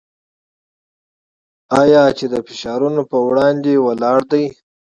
آیا چې د فشارونو پر وړاندې ولاړ دی؟